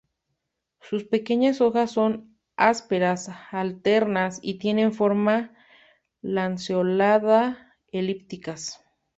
Sus pequeñas hojas son ásperas, alternas y tienen forma lanceolada-elípticas.